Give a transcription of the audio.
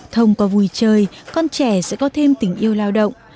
thông qua vui chơi con trẻ sẽ có thêm tình yêu lao động